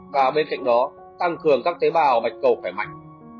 và bên cạnh đó tăng cường các tế bào bạch cầu khỏe mạnh